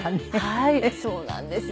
はいそうなんですよ。